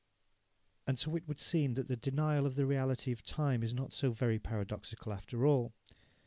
And so it would seem that the denial of the reality of time is not so very paradoxical after all.